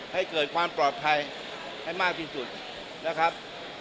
ให้เกิดความปลอดภัยให้มากที่สุดนะครับ